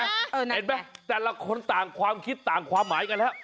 เห็นไหมแต่ละคนต่างความคิดต่างความหมายกันแล้ว